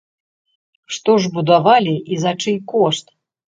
Што ж будавалі і за чый кошт?